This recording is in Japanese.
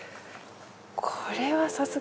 これはさすが。